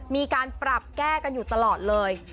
มีการปรับแก้กันอยู่ตลอดเลย